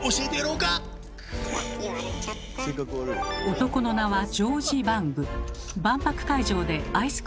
男の名はジョージ・バング。